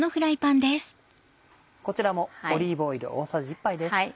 こちらもオリーブオイル大さじ１杯です。